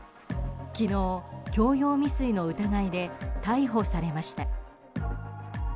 昨日、強要未遂の疑いで逮捕されました。